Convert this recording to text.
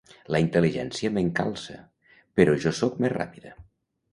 La intel·ligència m'encalça, però jo sóc més ràpida.